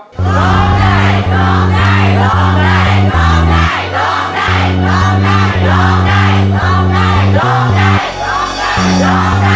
ร้องได้